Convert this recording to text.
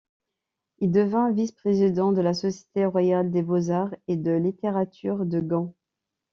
Il devint vice-président de la Société Royale des Beaux-arts et de Littérature de Gand.